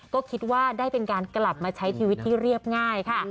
ก็คิดว่าได้เป็นการกลับมาใช้ชีวิตที่เรียบง่ายค่ะ